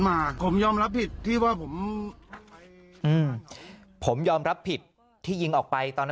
มาผมยอมรับผิดที่ว่าผมอืมผมยอมรับผิดที่ยิงออกไปตอนนั้น